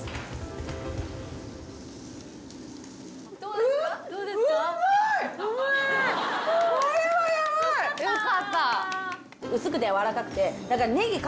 どうですか？